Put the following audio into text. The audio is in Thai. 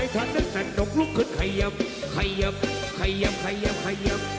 สนุกลุกขึ้นขยับขยับขยับขยับขยับ